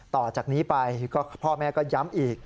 ต่อจากนี้ไปก็พ่อแม่ก็ย้ำอีก